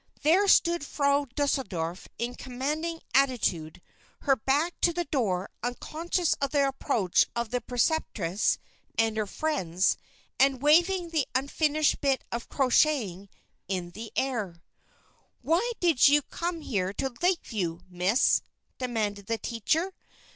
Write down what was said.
There stood Frau Deuseldorf in commanding attitude, her back to the door, unconscious of the approach of the preceptress and her friends, and waving the unfinished bit of crocheting in the air. "For why did you come here to Lakeview, Miss?" demanded the teacher.